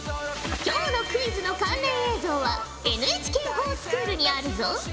今日のクイズの関連映像はＮＨＫｆｏｒＳｃｈｏｏｌにあるぞ。